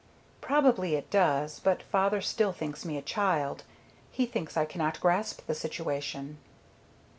"Probably it does, but father still thinks me a child. He thinks I cannot grasp the situation."